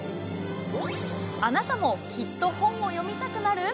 あなたもきっと本を読みたくなる？